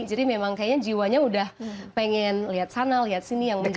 jadi memang kayaknya jiwanya udah pengen lihat sana lihat sini yang menjelajah